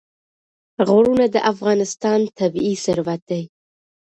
غرونه د افغانستان طبعي ثروت دی.